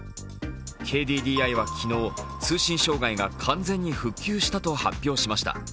ＫＤＤＩは昨日、通信障害が完全に復旧したと発表しました。